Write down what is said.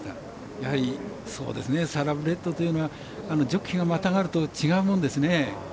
やはり、サラブレッドというのはジョッキーがまたがると違うものですね。